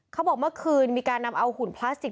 เมื่อคืนมีการนำเอาหุ่นพลาสติก